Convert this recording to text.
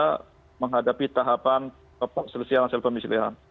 untuk menghadapi tahapan kepol selesai hasil pemilihan